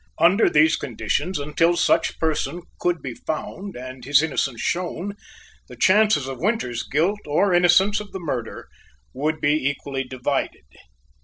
Under these conditions, until such person could be found, and his innocence shown, the chances of Winters's guilt or innocence of the murder would be equally divided.